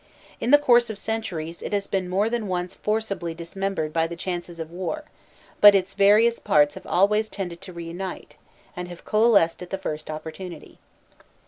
In the course of centuries it has more than once been forcibly dismembered by the chances of war, but its various parts have always tended to reunite, and have coalesced at the first opportunity.